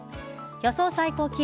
予想最高気温。